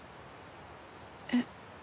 えっ？